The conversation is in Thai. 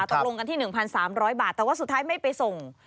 ตกลงกันที่๑๓๐๐บาทแต่ว่าสุดท้ายไม่ไปส่ง